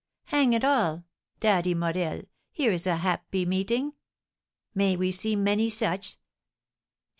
Hang it all, Daddy Morel, here's a happy meeting! May we see many such!